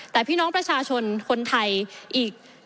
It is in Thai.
แต่พี่น้องประชาชนคนไทยอีก